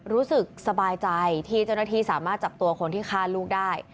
รู้สึกสบายใจที่เจ้าหน้าที่สามารถจับตัวคนที่ฆ่าลูกได้